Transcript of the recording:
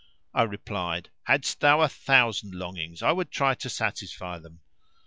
I replied, "Hadst thou a thousand longings I would try to satisfy them!"